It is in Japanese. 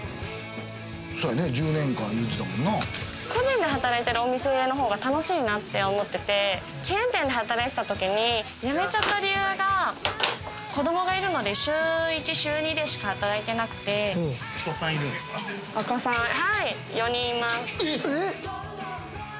個人で働いてるお店の方が楽しいなって思っててチェーン店で働いてた時に、やめちゃった理由が子供がいるので週１、週２でしか働いてなくて４人います。